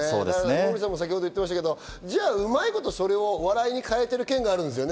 モーリーさんも先ほど言ってましたけど、うまいことそれを笑いに変えている県があるんですよね。